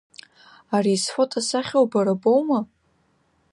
Ари изфотосахьоу бара боума?